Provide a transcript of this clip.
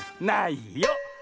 ないよ。